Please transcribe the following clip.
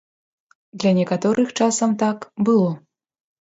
Для некаторых часам так, было.